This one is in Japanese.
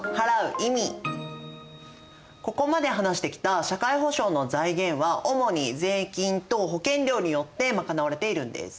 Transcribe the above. ここまで話してきた社会保障の財源は主に税金と保険料によって賄われているんです。